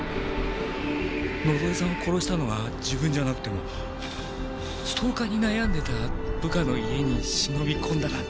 野添さんを殺したのは自分じゃなくてもストーカーに悩んでた部下の家に忍び込んだなんて知れたら。